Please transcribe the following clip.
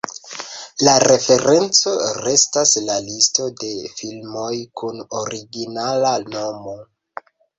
La referenco restas la Listo de Filmoj kun originala nomo.